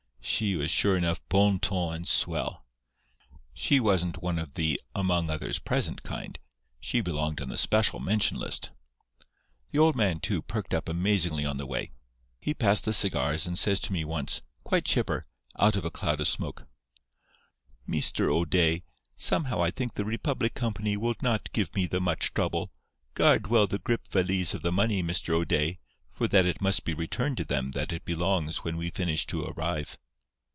She was sure enough bon ton and swell. She wasn't one of the 'among others present' kind; she belonged on the special mention list! "The old man, too, perked up amazingly on the way. He passed the cigars, and says to me once, quite chipper, out of a cloud of smoke, 'Mr. O'Day, somehow I think the Republic Company will not give me the much trouble. Guard well the gripvalise of the money, Mr. O'Day, for that it must be returned to them that it belongs when we finish to arrive.